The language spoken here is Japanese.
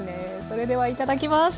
それではいただきます。